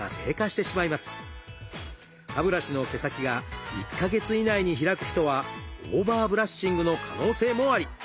歯ブラシの毛先が１か月以内に開く人はオーバーブラッシングの可能性もあり。